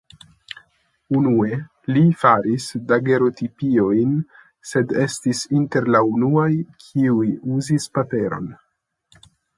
Unue li faris dagerotipiojn sed estis inter la unuaj kiuj uzis paperon.